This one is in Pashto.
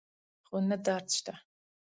خو نه درد شته